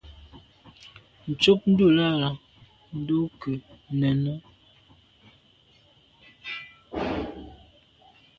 Ntshob ndùlàlà ndo nke nène.